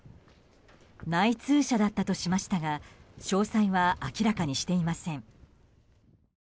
内通者だったとしましたが詳細は明らかにしていません。